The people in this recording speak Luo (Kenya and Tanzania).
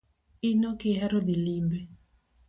In okihero dhii limbe